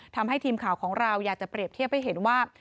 ทำให้ทีมข่าวของเราอยากจะเปรียบเทียบให้เห็นว่า